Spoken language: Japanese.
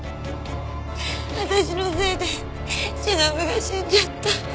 私のせいでしのぶが死んじゃった。